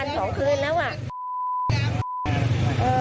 แม่ขึ้นแม่อาการแบบนี้